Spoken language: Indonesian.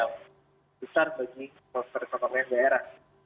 yang besar bagi perekonomian daerah